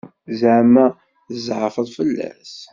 Ẓeɛma tzeɛfeḍ fell-as?